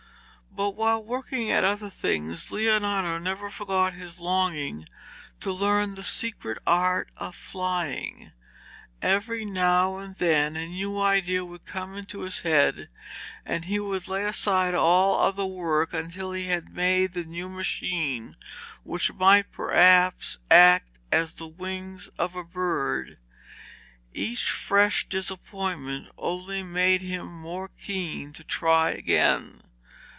But while working at other things Leonardo never forgot his longing to learn the secret art of flying. Every now and then a new idea would come into his head, and he would lay aside all other work until he had made the new machine which might perhaps act as the wings of a bird. Each fresh disappointment only made him more keen to try again.